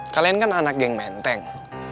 kalian kan anak geng menteng